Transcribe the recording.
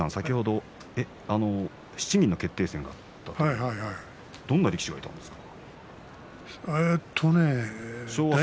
先ほど７人の決定戦とおっしゃっていましたがどんな力士がいたんですか。